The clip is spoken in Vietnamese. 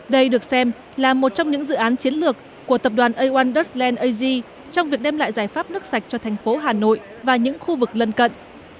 đây được xem là một trong những dự án chiến lược của tập đoàn a một dutch land ag trong việc đem lại giải pháp nước sạch cho thành phố hà nội và những khu vực lân cận